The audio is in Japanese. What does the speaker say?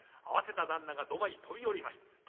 慌てた旦那が土間へ飛び降りました。